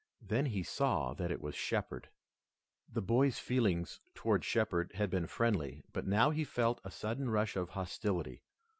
Then he saw that it was Shepard. The boy's feelings toward Shepard had been friendly, but now he felt a sudden rush of hostility.